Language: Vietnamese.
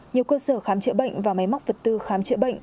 nhiều cơ sở khám chữa bệnh và máy móc vật tư khám chữa bệnh